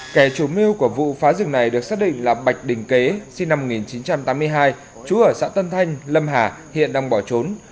kẻ chủ mưu của vụ phá rừng này được xác định là bạch đình kế sinh năm một nghìn chín trăm tám mươi hai chú ở xã tân thanh lâm hà hiện đang bỏ trốn